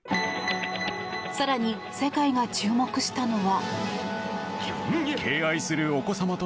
更に、世界が注目したのは。